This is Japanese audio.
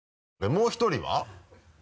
もう１人は。